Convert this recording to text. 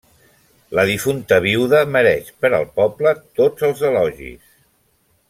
La difunta viuda mereix per al poble tots els elogis.